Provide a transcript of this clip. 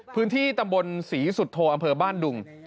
พื้นที่ตำบลศรีสุโธอำเภอบ้านดุง